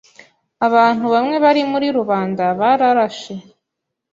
Abantu bamwe bari muri rubanda bararashe.